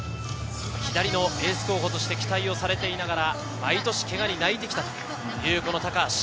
左のエース候補として期待をされていながら毎年けがに泣いてきたという高橋。